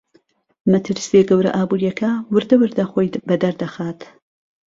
مەترسیە گەورە ئابوریەکە ووردە ووردە خۆی بەدەر دەخات